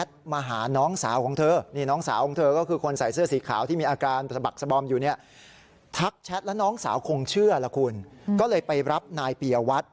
แชทแล้วน้องสาวคงเชื่อละคุณก็เลยไปรับนายปียวัด